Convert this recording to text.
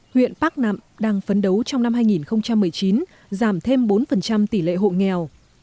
huyện bắc nạm đang phấn đấu trong năm hai nghìn một mươi chín giảm thêm bốn tỷ lệ hộ nghèo